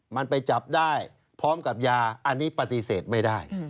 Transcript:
มันไปจับได้พร้อมกับยาอันนี้ปฏิเสธไม่ได้